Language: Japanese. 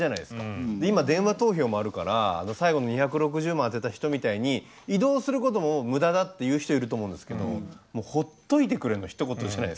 今電話投票もあるから最後の２６０万当てた人みたいに移動することも無駄だっていう人いると思うんですけどもうほっといてくれのひと言じゃないですか。